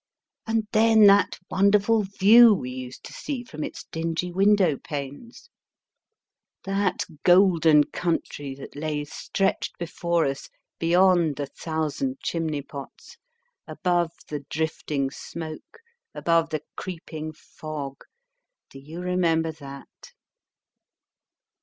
And then that wonderful view we used to see from its dingy window panes that golden country that lay stretched JEROME K. JEROME 225 before us, beyond the thousand chimney pots, above the drifting smoke, above the creeping fog do you remember that